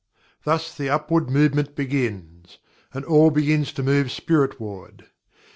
Thus the upward movement begins and all begins to move Spiritward.